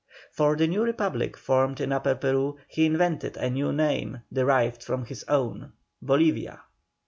For the new Republic formed in Upper Peru he invented a new name, derived from his own, BOLIVIA.